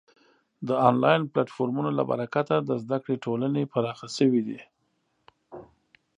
د آنلاین پلتفورمونو له برکته د زده کړې ټولنې پراخه شوې ده.